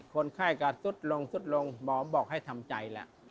คนไข้ก็ซุดลงสุดลงหมอบอกให้ทำใจแล้ว